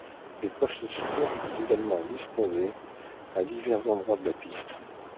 Des postes de secours sont également disposés à divers endroits de la piste.